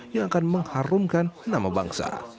yang akan mengharumkan nama bangsa